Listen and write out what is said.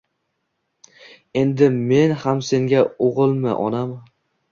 Endi men ham senga ogilmi onam!